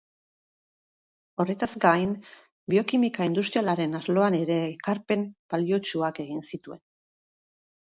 Horretaz gain, biokimika industrialaren arloan ere ekarpen baliotsuak egin zituen.